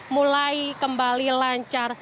mulai kembali lancar